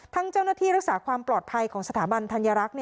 เจ้าหน้าที่รักษาความปลอดภัยของสถาบันธัญรักษ์